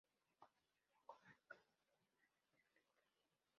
La economía de la comarca es, principalmente, agrícola.